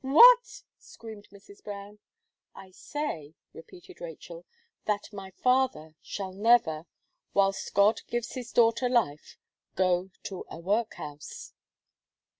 "What!" screamed Mrs. Brown. "I say," repeated Rachel, "that my father shall never, whilst God gives his daughter life, go to a workhouse."